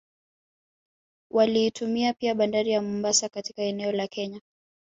Waliitumia pia Bandari ya Mombasa katika eneo la Kenya